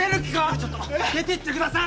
ちょっと出てってください。